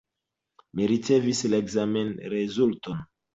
Mi ricevis la ekzamenrezulton.